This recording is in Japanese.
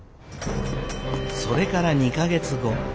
それから２か月後。